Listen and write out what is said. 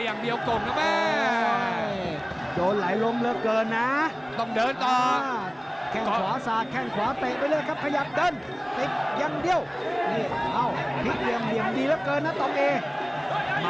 แล้วแบบนี้ล็อกอีกแล้วโกงแทงแหลม